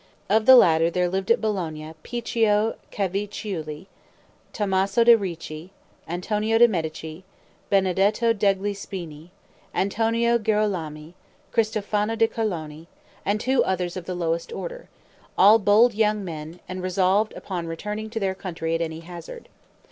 Of the latter there lived at Bologna Picchio Cavicciulli, Tommaso de' Ricci, Antonio de' Medici, Benedetto degli Spini, Antonio Girolami, Cristofano di Carlone, and two others of the lowest order, all bold young men, and resolved upon returning to their country at any hazard.